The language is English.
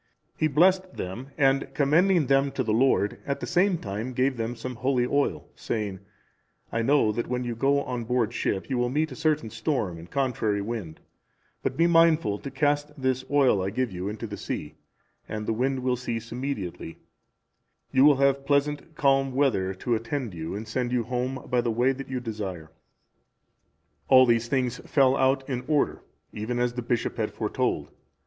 He, blessing them, and commending them to the Lord, at the same time gave them some holy oil, saying, "I know that when you go on board ship, you will meet with a storm and contrary wind; but be mindful to cast this oil I give you into the sea, and the wind will cease immediately; you will have pleasant calm weather to attend you and send you home by the way that you desire." All these things fell out in order, even as the bishop had foretold.